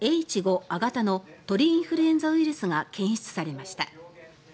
Ｈ５亜型の鳥インフルエンザウイルスが検出されました。